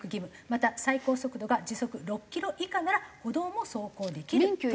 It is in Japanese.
また最高速度が時速６キロ以下なら歩道も走行できるとの事です。